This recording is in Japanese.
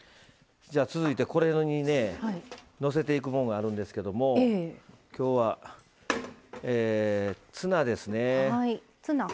続いて、これにのせていくもんがあるんですけどきょうはツナですね。